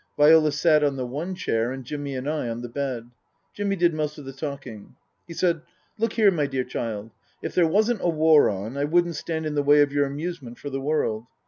Viola sat on the one chair and Jimmy and I on the bed. Jimmy did most of the talking. He said, " Look here, my dear child, if there wasn't a war on, I wouldn't stand in the way of your amusement for the world.